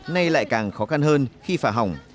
nay lại càng khó khăn hơn khi phà hỏng